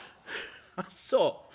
「あっそう。